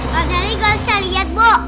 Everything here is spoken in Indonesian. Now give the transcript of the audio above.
kak selly tidak bisa melihat bu